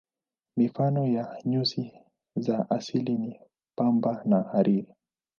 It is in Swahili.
Mifano ya nyuzi za asili ni pamba na hariri.